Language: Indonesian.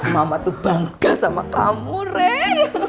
mama tuh bangga sama kamu rek